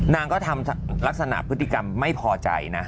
นางก็ทำลักษณะพฤติกรรมไม่พอใจนะ